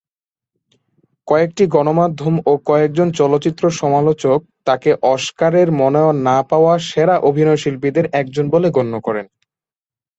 কয়েকটি গণমাধ্যম ও কয়েকজন চলচ্চিত্র সমালোচক তাকে অস্কারের মনোনয়ন না পাওয়া সেরা অভিনয়শিল্পীদের একজন বলে গণ্য করেন।